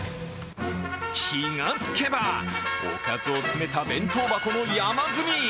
気がつけば、おかずを詰めた弁当箱の山積み。